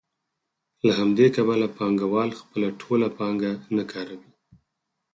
له همدې کبله پانګوال خپله ټوله پانګه نه کاروي